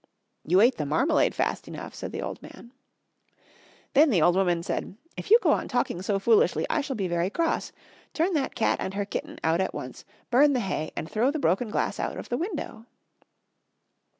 "You ate the marmalade fast enough," said the old man. Then the old woman said, "If you go on talking so foolishly I shall be very cross. Turn that cat and her kitten out at once, burn the hay, and throw the broken glass out of the window."